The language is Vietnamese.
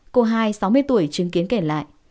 cô hai sáu mươi tuổi chứng kiến kể lại